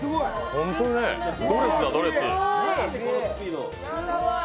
本当ね、ドレスだドレス。